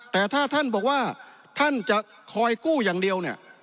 แต่ถ้าท่านบอกว่าท่านจะคอยกู้อย่างเดียวเนี่ย